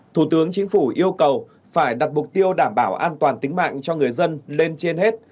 thủ tướng chính phủ yêu cầu phải đặt mục tiêu đảm bảo an toàn tính mạng cho người dân lên trên hết